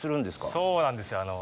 そうなんですよ。